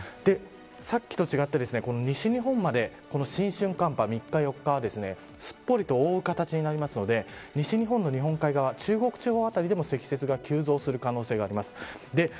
さっきと違って西日本までこの新春寒波、３日４日はすっぽりと覆う形になるので西日本の日本海側中国地方辺りでも積雪が急増する可能性があります。